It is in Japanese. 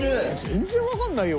全然わかんないよ